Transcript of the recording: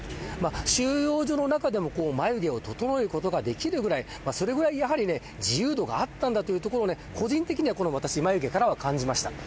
収容所の中でも眉毛を整えることができるぐらいそれぐらい自由度があったんだというところを、私は個人的に眉毛から感じました。